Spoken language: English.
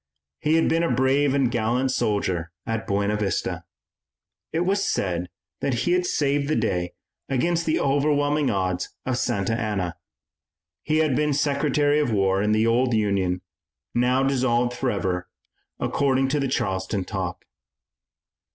He had been a brave and gallant soldier at Buena Vista. It was said that he had saved the day against the overwhelming odds of Santa Anna. He had been Secretary of War in the old Union, now dissolved forever, according to the Charleston talk.